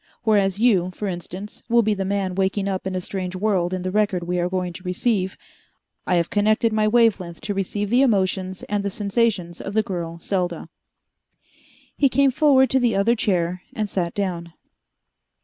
Whereas you, for instance, will be the man waking up in a strange world in the record we are going to receive, I have connected my wavelength to receive the emotions and the sensations of the girl, Selda." He came forward to the other chair, and sat down.